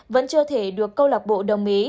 vẫn chưa thể được cầu lọc bộ đồng ý